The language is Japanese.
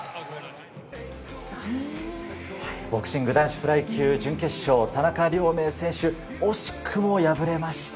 ボクシング男子フライ級準決勝、田中亮明選手、惜しくも敗れました。